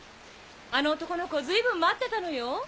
あの男の子随分待ってたのよ。